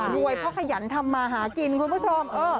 เพราะขยันทำมาหากินคุณผู้ชม